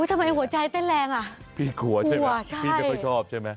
อุ้ยทำไมหัวใจเต้นแรงอ่ะพี่กลัวใช่ไหมอ่าวใช่พี่ไม่ชอบใช่ไหม